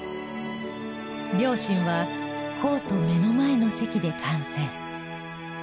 両親はコート目の前の席で観戦。